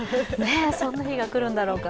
そんな日が来るんだろうか。